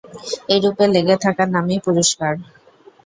এরূপে লেগে থাকার নামই পুরুষকার।